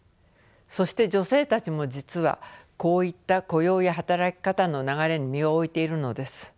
そして女性たちも実はこういった雇用や働き方の流れに身を置いているのです。